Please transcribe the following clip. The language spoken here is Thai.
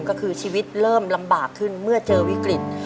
ก็คือชีวิตเริ่มลำบากขึ้นเมื่อเจอวิกฤต